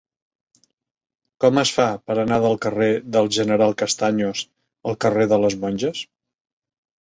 Com es fa per anar del carrer del General Castaños al carrer de les Monges?